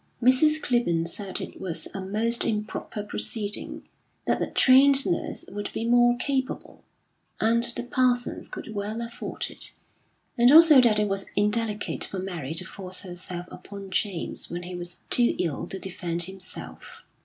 Mrs. Clibborn said it was a most improper proceeding; that a trained nurse would be more capable, and the Parsons could well afford it; and also that it was indelicate for Mary to force herself upon James when he was too ill to defend himself.